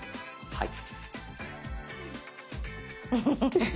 はい。